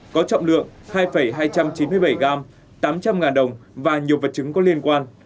có trọng lượng hai hai trăm chín mươi bảy gram tám trăm linh ngàn đồng và nhiều vật chứng có liên quan